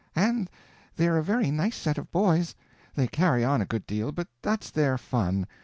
"And they're a very nice set of boys. They carry on a good deal, but that's their fun.